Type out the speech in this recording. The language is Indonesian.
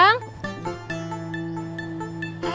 rati yang muter dulu ya